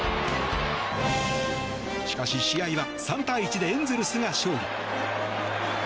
しかし試合は３対１でエンゼルスが勝利。